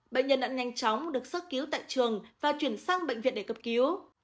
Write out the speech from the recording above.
bệnh nhân đã nhanh chóng được sớt cứu tại trường và chuyển sang bệnh viện để cập cứu